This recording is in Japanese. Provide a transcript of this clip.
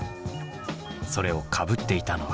それをかぶっていたのは。